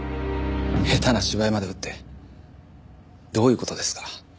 下手な芝居まで打ってどういう事ですか？